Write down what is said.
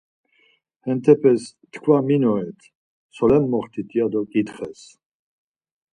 Hantepes, tkva min oret, solen moxtit ya do ǩitxes.